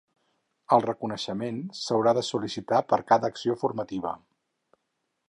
El reconeixement s'haurà de sol·licitar per cada acció formativa.